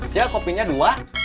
cia kopinya dua